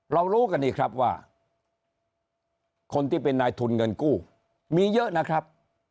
รู้กันดีครับว่าคนที่เป็นนายทุนเงินกู้มีเยอะนะครับ